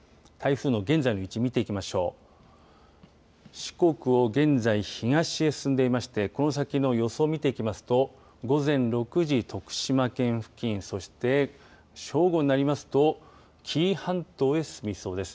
四国を現在、東へ進んでいましてこの先の予想見ていきますと午前６時徳島県付近、そして正午になりますと紀伊半島へ進みそうです。